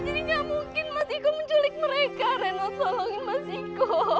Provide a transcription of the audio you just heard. jadi gak mungkin mas iko menculik mereka reno tolongin mas iko